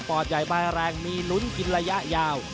อดใหญ่บายแรงมีลุ้นกินระยะยาว